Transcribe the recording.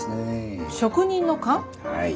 はい。